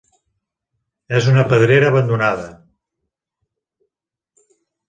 És una pedrera abandonada.